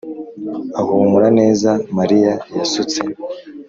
ahumura neza Mariya yasutse